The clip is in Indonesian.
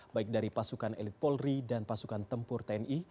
baik dari pasukan elit polri dan pasukan tempur tni